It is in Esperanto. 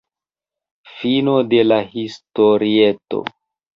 Fino de la historieto.